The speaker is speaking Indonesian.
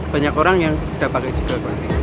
banyak orang yang udah pake juga